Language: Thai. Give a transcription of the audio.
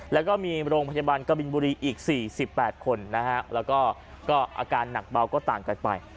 แล้วก็มีโรงพยาบาลกบินบุรีอีก๔๘คนนะฮะแล้วก็อาการหนักเบาก็ต่างกันไป